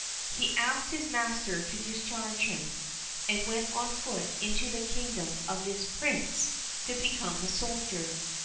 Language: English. He asked his master to discharge him, and went on foot into the kingdom of this Prince to become a soldier.